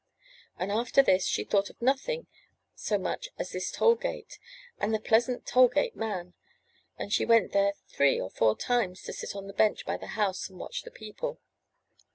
And after this she thought of nothing so much as this toll gate and the pleasant toll gate man; and she went there three or four times to sit on the bench by the house and watch the people.